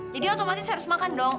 jadi otomatis harus makan dong